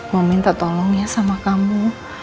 mau minta tolong ya sama kamu